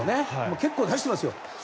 結構出していますよ。